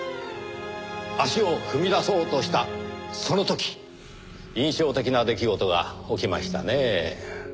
足を踏み出そうとしたその時印象的な出来事が起きましたねぇ。